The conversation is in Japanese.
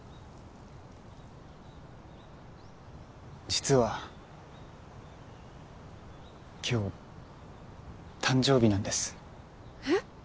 実は今日誕生日なんですえっ